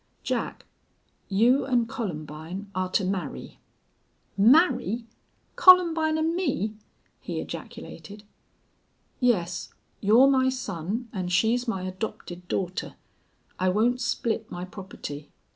Jack, you an' Columbine are to marry." "Marry! Columbine and me?" he ejaculated. "Yes. You're my son an' she's my adopted daughter. I won't split my property.